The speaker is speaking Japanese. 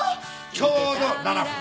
ちょうど７分。